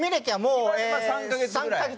今３カ月ぐらい。